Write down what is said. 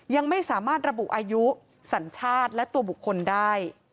ยังไม่สามารถระบุอายุสัญชาติและตัวบุคคลได้